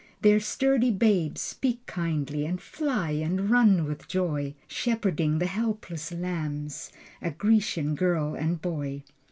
Their sturdy babes speak kindly And fly and run with joy, Shepherding the helpless lambs A Grecian girl and boy.